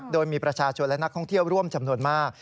โดยมีประชาชนและนักท่องเที่ยวร่วมจำนวนมาก